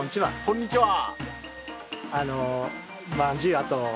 こんにちは！